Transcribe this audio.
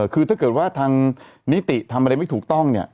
คือถ้าเกิดว่าทางนิติทำอะไรไม่ถูกต้องเนี่ย